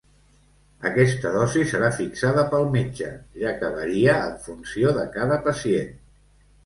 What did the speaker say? Aquesta dosi serà fixada pel metge, ja que varia en funció de cada pacient.